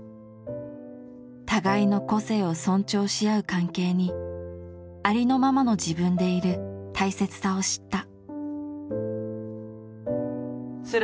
互いの個性を尊重し合う関係にありのままの自分でいる大切さを知った。